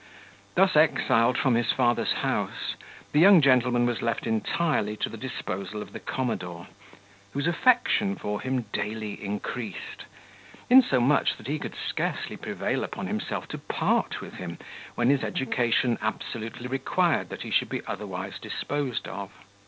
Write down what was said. Thus exiled from his father's house, the young gentleman was left entirely to the disposal of the commodore, whose affection for him daily increased, insomuch that he could scarcely prevail upon himself to part with him, when his education absolutely required that he should be otherwise disposed of.